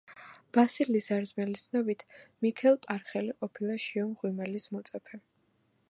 ბასილი ზარზმელის ცნობით მიქელ პარეხელი ყოფილა შიო მღვიმელის მოწაფე.